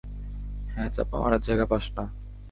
হ্যাঁ, চাপা মারার জায়গা পাস না!